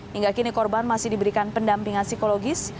hingga kini korban masih diberikan pendampingan psikologis